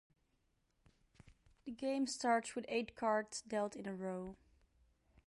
The game starts with eight cards dealt in a row.